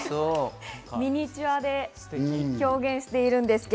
ミニチュアで表現しています。